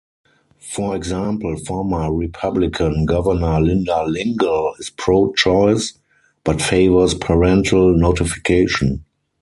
For example, former Republican Governor Linda Lingle is pro-choice, but favors parental notification.